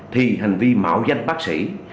thì hành vi mạo danh bác sĩ